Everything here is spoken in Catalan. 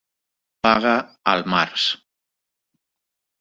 Paga al març.